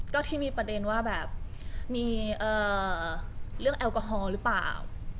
ก็ที่มีประเด็นว่าแบบมีเรื่องแอลกอฮอล์หรือเปล่า